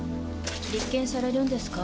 立件されるんですか？